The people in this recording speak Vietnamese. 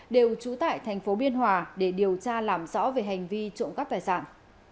đều trụ tại tp biên hòa để điều tra làm rõ về hành vi trộm cắp tài sản